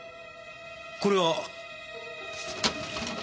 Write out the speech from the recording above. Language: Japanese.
これは？